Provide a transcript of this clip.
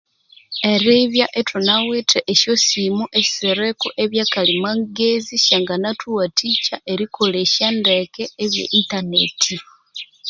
Eribya ithunawethe esyasimu esiriko ebyakalhimagenzi kyanganathughuyikya erikolhesya ndeke ebye internet